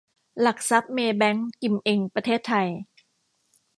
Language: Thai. หลักทรัพย์ เมย์แบงก์ กิมเอ็ง ประเทศไทย